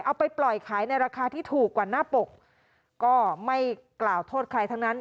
เอาไปปล่อยขายในราคาที่ถูกกว่าหน้าปกก็ไม่กล่าวโทษใครทั้งนั้น